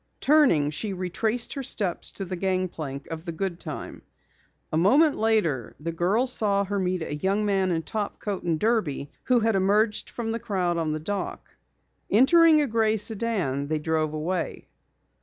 Turning, she retraced her steps to the gangplank of the Goodtime. A moment later the girls saw her meet a young man in topcoat and derby who had emerged from the crowd on the dock. Entering a gray sedan, they drove away.